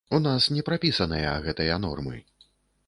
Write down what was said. У нас не прапісаныя гэтыя нормы.